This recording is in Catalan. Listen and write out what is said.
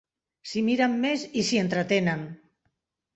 S'hi miren més, i s'hi entretenen.